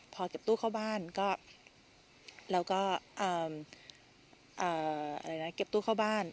พอเก็บตู้เข้าบ้านก็แล้วก็เอ่ออะไรนะเก็บตู้เข้าบ้าน